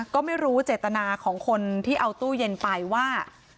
ก็ไม่รู้เจตนาของคนที่เอาตู้เย็นไปว่า